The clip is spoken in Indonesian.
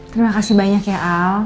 terima kasih banyak ya al